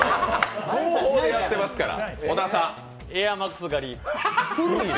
合法でやってますから。